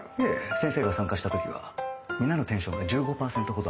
先生が参加した時は皆のテンションが１５パーセントほど上がります。